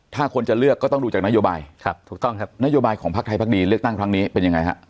ถ้าคนจะเลือกก็ต้องดูจากนโยบายนโยบายของภาคไทยภาคดีเลือกตั้งครั้งนี้เป็นยังไงฮะ